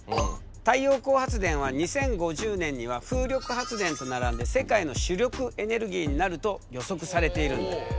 太陽光発電は２０５０年には風力発電と並んで世界の主力エネルギーになると予測されているんだ。